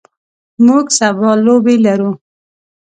موږ سبا لوبې لرو.